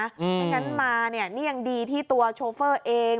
ไม่งั้นมาเนี่ยนี่ยังดีที่ตัวโชเฟอร์เอง